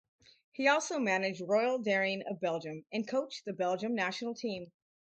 He also managed Royal Daring of Belgium and coached the Belgium national team.